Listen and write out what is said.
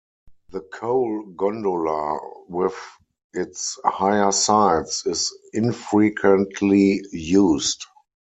The coal gondola, with its higher sides, is infrequently used.